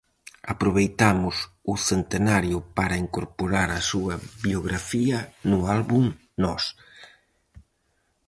Aproveitamos o centenario para incorporar a súa biografía no Álbum Nós.